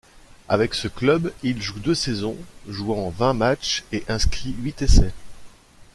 Avec ce club, il joue deux saisons, jouant vingt matchs et inscrit huit essais.